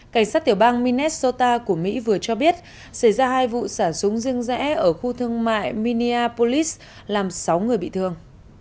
cảnh sát tiểu bang minnesota của mỹ vừa cho biết xảy ra hai vụ sả súng riêng rẽ ở khu thương mại minneapolis làm sáu người bị thương